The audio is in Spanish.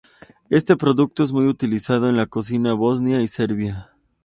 Este producto es muy utilizado en la cocina Bosnia y Serbia.